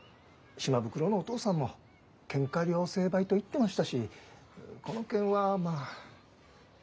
島袋のお父さんもケンカ両成敗と言ってましたしこの件はまあ。